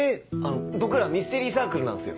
僕らミステリーサークルなんすよ。